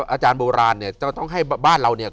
อาจารย์โบราณเนี่ยจะต้องให้บ้านเราเนี่ย